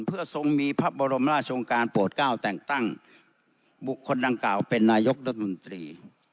เพื่อทรงมีพระบรมราชงการโปรดเก้าแต่งตั้งบุคคลดังกล่าวเป็นนายกรัฐมนตรี